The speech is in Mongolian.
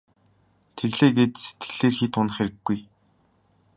Тэглээ гээд сэтгэлээр хэт унах хэрэггүй.